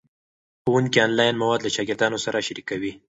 ښوونکي آنلاین مواد له شاګردانو سره شریکوي.